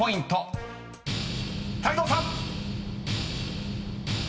［泰造さん］